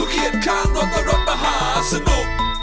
อยู่เคียดข้างรถก็รถประหาสนุก